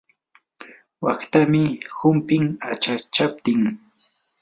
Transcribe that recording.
waqtamii humpin achachaptin.